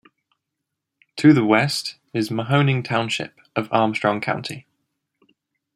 To the west is Mahoning Township of Armstrong County.